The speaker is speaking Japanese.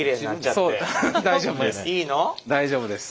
大丈夫です。